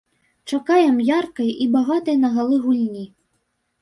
Чакаем яркай і багатай на галы гульні.